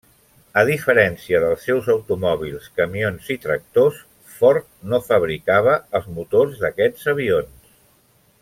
A diferència dels seus automòbils, camions i tractors, Ford no fabricava els motors d'aquests avions.